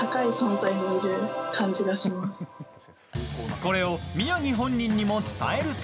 これを宮城本人にも伝えると。